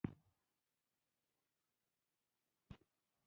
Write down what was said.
د لرګي رنګونه مختلف دي.